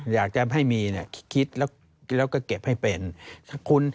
อยากจะไม่มีคิดแล้วก็เก็บให้เป็น